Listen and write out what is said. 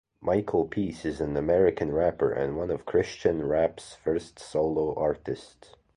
Michael Peace is an American rapper and one of Christian rap's first solo artists.